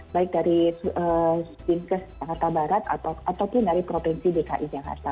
baik dari kasudin kes jakarta barat atau dari provinsi dki jakarta